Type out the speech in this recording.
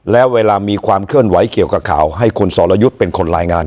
แล้วเวลามีความเคลื่อนไหวเกี่ยวกับข่าวให้คุณสรยุทธ์เป็นคนรายงาน